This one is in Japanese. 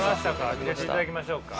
見せていただきましょうか。